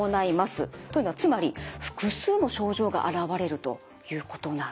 というのはつまり複数の症状があらわれるということなんです。